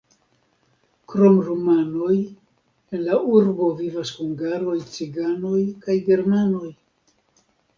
Krom rumanoj, en la urbo vivas hungaroj, ciganoj kaj germanoj.